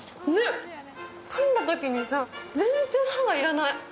かんだときにさ、全然歯が要らない。